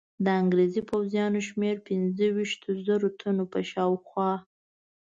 د انګرېزي پوځیانو شمېر پنځه ویشتو زرو تنو په شاوخوا.